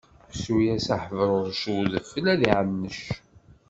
Ssu-yas a Ḥebrurec, i udfel ad iɛanec.